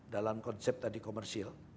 dalam konsep tadi komersil